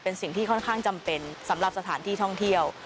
เป็นสิ่งที่ค่อนข้างจำเป็นสำหรับสถานที่ท่องเที่ยว